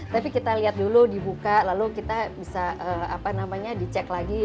tapi kita lihat dulu dibuka lalu kita bisa dicek lagi